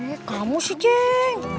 eh kamu sih cing